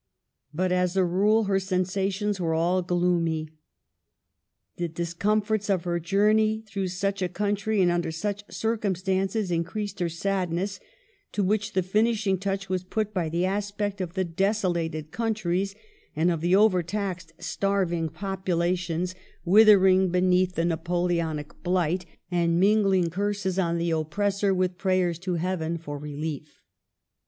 But, as a rule, her sensations were all gloomy. The discomforts of her journey through such a country and under such circumstances increased her sadness, to which the finishing touch was put by the aspect of the desolated countries, and of the overtaxed, starving popula tions withering beneath the Napoleonic blight, Digitized by VjOOQIC 174 MADAME DE STAEVS and mingling curses on the oppressor with prayers to heaven for relief.